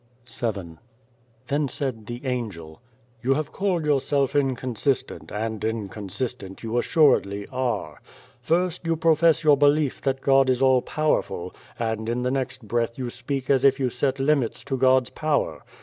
97 VII THEN said the Angel :" You have called yourself inconsistent, and inconsistent you assuredly are. First, you profess your belief that God is all powerful, and in the next breath you speak as if you set limits to God's power.